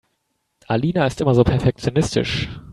Alina ist immer so perfektionistisch.